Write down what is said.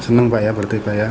senang pak ya berarti pak ya